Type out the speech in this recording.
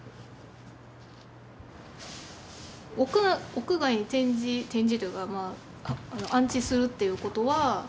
屋外に展示展示というか安置するっていうことは。